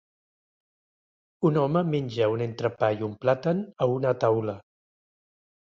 Un home menja un entrepà i un plàtan a una taula.